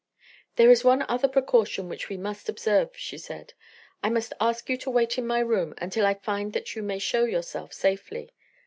"There is one other precaution which we must observe," she said; "I must ask you to wait in my room until I find that you may show yourself safely.